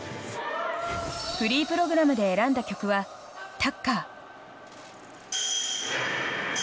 フリープログラムで選んだ曲は「タッカー」。